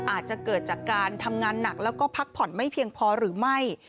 อาจจะเกิดจากการทำงานหนักแล้วก็พักผ่อนไม่เพียงพอหรือไม่